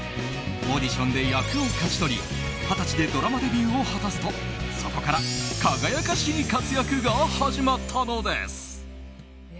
オーディションで役を勝ち取り二十歳でドラマデビューを果たすとそこから輝かしい活躍が始まったのです。